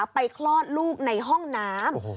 คลอดลูกในห้องน้ำ